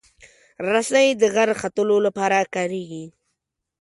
رسۍ د غر ختلو لپاره کارېږي.